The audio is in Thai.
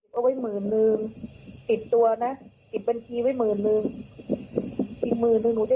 คือขายดวงตาเป็นสิทธิ์สุดท้ายที่เรามีอยู่แล้ว